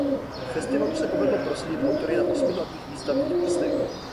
Festivalu se povedlo prosadit autory na osmi hlavních výstavních místech.